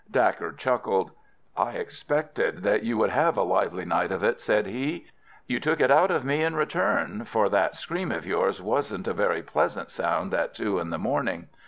Dacre chuckled. "I expected that you would have a lively night of it," said he. "You took it out of me in return, for that scream of yours wasn't a very pleasant sound at two in the morning.